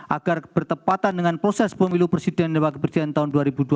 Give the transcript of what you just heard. agar bertepatan dengan proses pemilu presiden dan wakil presiden tahun dua ribu dua puluh